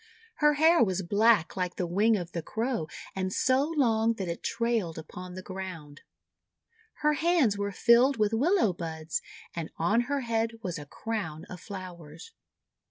Her hair was black like the wing of the Crow, and so long that it trailed upon the ground. Her hands were filled with Willow buds, and on her head was a crown of flowers.